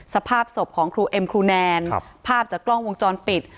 สภาพศพของครูเอ็มครูแนนภาพจากกล้องวงจรปิด